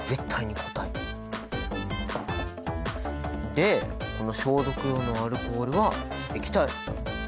でこの消毒用のアルコールは液体！